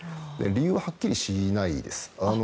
理由ははっきりしないです。